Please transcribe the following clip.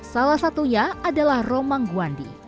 salah satunya adalah romang guandi